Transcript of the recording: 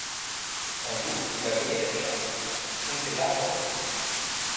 Un jour il a vogué vers Cherbourg, Pour compter l'argent de ses prises.